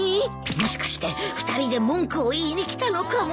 もしかして２人で文句を言いに来たのかも。